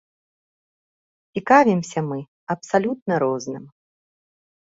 Цікавімся мы абсалютна розным.